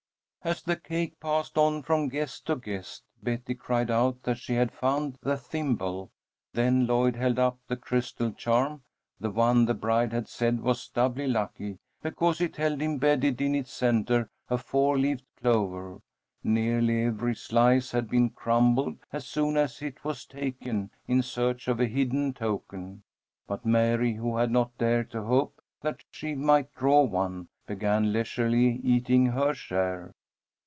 As the cake passed on from guest to guest, Betty cried out that she had found the thimble. Then Lloyd held up the crystal charm, the one the bride had said was doubly lucky, because it held imbedded in its centre a four leaved clover. Nearly every slice had been crumbled as soon as it was taken, in search of a hidden token, but Mary, who had not dared to hope that she might draw one, began leisurely eating her share.